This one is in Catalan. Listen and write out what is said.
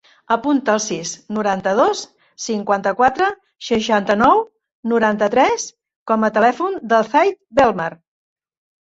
Apunta el sis, noranta-dos, cinquanta-quatre, seixanta-nou, noranta-tres com a telèfon del Zayd Belmar.